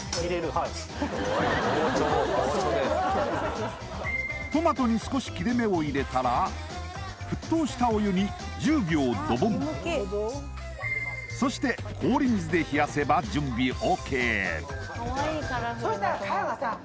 はいトマトに少し沸騰したお湯に１０秒ドボンそして氷水で冷やせば準備ＯＫああ